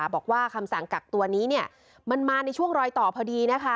บอกว่าคำสั่งกักตัวนี้มันมาในช่วงรอยต่อพอดีนะคะ